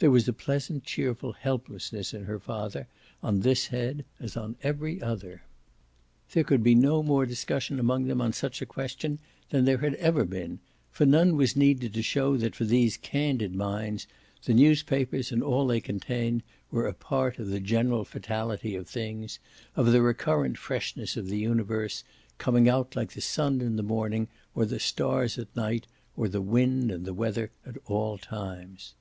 There was a pleasant cheerful helplessness in her father on this head as on every other. There could be no more discussion among them on such a question than there had ever been, for none was needed to show that for these candid minds the newspapers and all they contained were a part of the general fatality of things, of the recurrent freshness of the universe, coming out like the sun in the morning or the stars at night or the wind and the weather at all times.